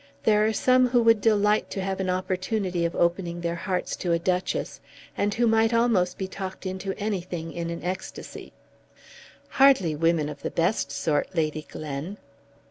There are some who would delight to have an opportunity of opening their hearts to a Duchess, and who might almost be talked into anything in an ecstasy." "Hardly women of the best sort, Lady Glen."